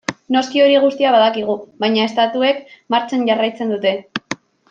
Noski hori guztia badakigu, baina estatuek martxan jarraitzen dute.